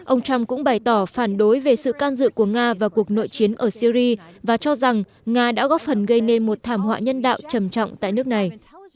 ông trump cũng bày tỏ phản đối về sự can dự của nga vào cuộc nội chiến ở syri và cho rằng nga đã góp phần gây nên một thảm họa nhân đạo trầm trọng tại nước này